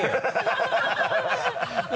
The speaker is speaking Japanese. ハハハ